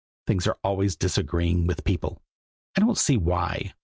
Things are always disagreeing with people; I don't see why.